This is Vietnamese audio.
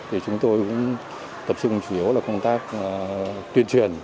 thì chúng tôi cũng tập trung chủ yếu là công tác tuyên truyền